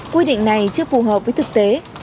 quy định này chưa phù hợp với thực tế